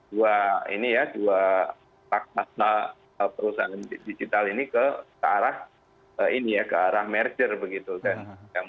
dua taktas perusahaan digital ini ke arah merger begitu kan